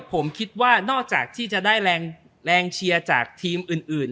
ผมคิดว่านอกจากที่จะได้แรงเชียร์จากทีมอื่น